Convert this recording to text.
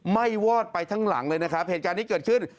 ้วอดไปทั้งหลังเลยนะครับเหตุการณ์นี้เกิดขึ้น